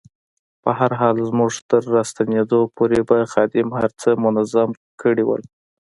په هر حال زموږ تر راستنېدا پورې به خادم هر څه منظم کړي ول.